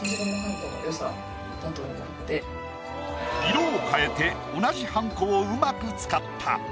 色を変えて同じはんこをうまく使った。